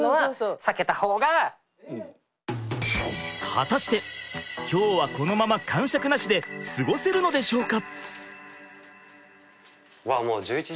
果たして今日はこのままかんしゃくなしで過ごせるのでしょうか？